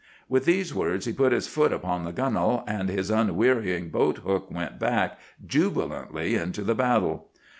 "With these words he put his foot upon the gunwale, and his unwearying boat hook went back jubilantly into the battle.